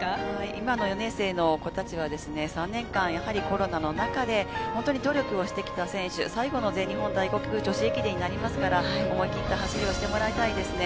今の４年生の子たちは、３年間、やはりコロナの中で本当に努力をしてきた選手、最後の全日本大学女子駅伝になりますから、思い切った走りをしてもらいたいですね。